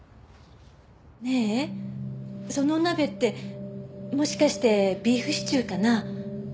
ねえそのお鍋ってもしかしてビーフシチューかな？